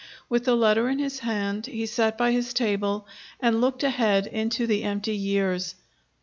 With the letter in his hand, he sat by his table and looked ahead into the empty years.